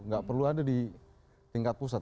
nggak perlu ada di tingkat pusat